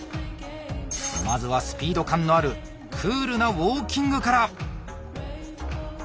まずはスピード感のあるクールなウォーキングから！